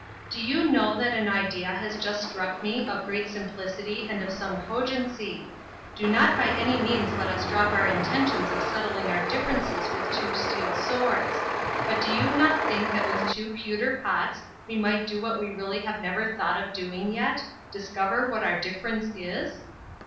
Do you know that an idea has just struck me of great simplicity and of some cogency. Do not by any means let us drop our intentions of settling our differences with two steel swords. But do you not think that with two pewter pots we might do what we really have never thought of doing yet discover what our difference is?"